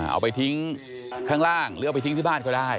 เอาไปทิ้งข้างล่างหรือเอาไปทิ้งที่บ้านก็ได้